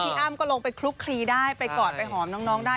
อ้ำก็ลงไปคลุกคลีได้ไปกอดไปหอมน้องได้